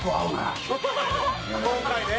今回ね。